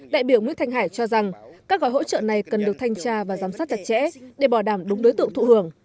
đại biểu nguyễn thanh hải cho rằng các gói hỗ trợ này cần được thanh tra và giám sát chặt chẽ để bảo đảm đúng đối tượng thụ hưởng